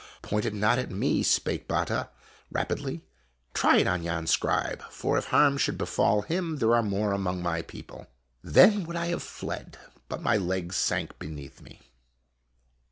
" Point it not at me !" spake Batta, rapidly. " Try it on yon scribe, for if harm should befall him there are more among my people." Then would I have fled, but my legs sank beneath me.